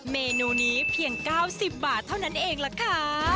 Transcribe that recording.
เมนูนี้เพียง๙๐บาทเท่านั้นเองล่ะค่ะ